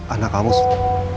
anak kamu soek